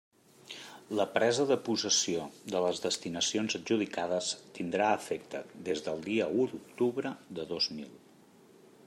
La presa de possessió de les destinacions adjudicades tindrà efecte des del dia u d'octubre de dos mil.